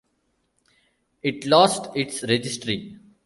It lost its registry.